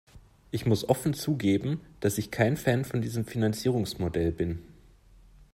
Ich muss offen zugeben, dass ich kein Fan von diesem Finanzierungsmodell bin.